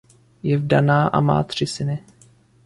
Je vdaná a má tři syny.